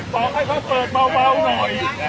บอกให้เขาเปิดเบาหน่อย